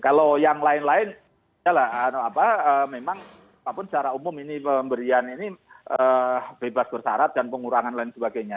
kalau yang lain lain ya lah memang apapun secara umum ini pemberian ini bebas bersarat dan pengurangan lain sebagainya